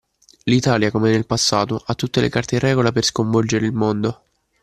L'Italia come nel passato ha tutte le carte in regola per sconvolgere il mondo